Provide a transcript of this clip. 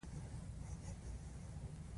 هګۍ نیم پخه ښه خوند لري.